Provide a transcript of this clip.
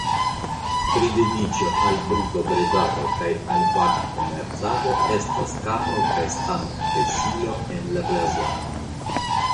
Pri dediĉo al brutobredado kaj al vagkomercado estas kapro kaj stangpesilo en la blazono.